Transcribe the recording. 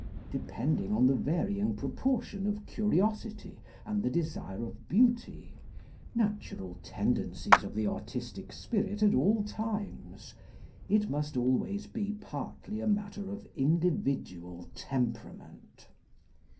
Depending on the varying proportion of curiosity and the desire of beauty, natural tendencies of the artistic spirit at all times, it must always be partly a matter of individual temperament.